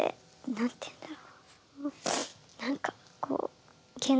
何ていうんだろう。